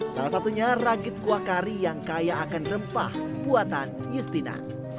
salah satunya ragit kuah kari yang kaya akan rempah buatan justina